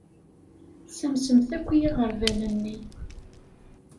Tessamsemt akk i yiɣerban-nni.